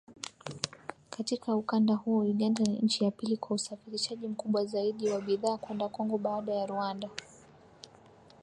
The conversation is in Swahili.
Katika ukanda huo Uganda ni nchi ya pili kwa usafirishaji mkubwa zaidi wa bidhaa kwenda Kongo baada ya Rwanda